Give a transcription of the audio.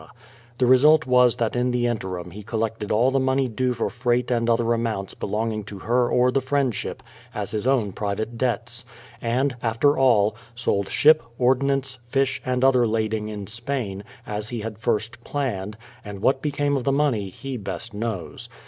The result was that in the interim he collected all the money due for freight and any other amounts belonging to her or the Friendship, as his ovv n private debts ; and, after all, sold ship, ordnance, fish, and other lading in Spain, as he had first planned, and what became of the money he best 241 242 BRADFORD'S HISTORY OF knows.